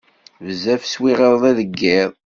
Bezzaf swiɣ iḍelli deg yiḍ.